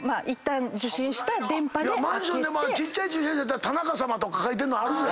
マンションでもちっちゃい駐車場やったらタナカさまとか書いてんのあるぜ。